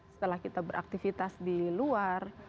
setelah kita beraktivitas di luar